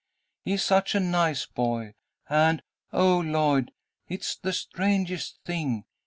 He is such a nice boy, and, oh, Lloyd! it's the strangest thing!